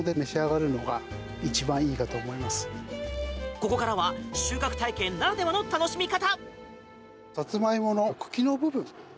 ここからは収穫体験ならではの楽しみ方。